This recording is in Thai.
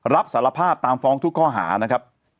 รับสารภาพตามฟ้องทุกข้อหานะครับ